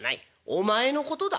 お前のことだ」。